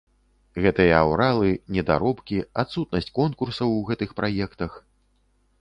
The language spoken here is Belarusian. Гэтыя аўралы, недаробкі, адсутнасць конкурсаў у гэтых праектах.